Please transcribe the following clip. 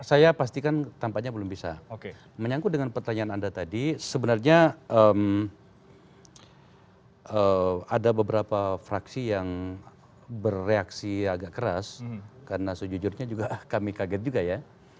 saya pastikan tampaknya belum bisa menyangkut dengan pertanyaan anda tadi sebenarnya ada beberapa fraksi yang bereaksi agak keras karena sejujurnya juga kami kaget juga ya